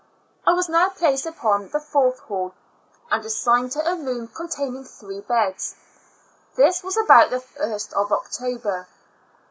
• I was now placed upon the fourth hall, and assigned to a room containing three beds; this was about the first of October.